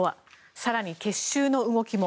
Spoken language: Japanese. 更に結集の動きも。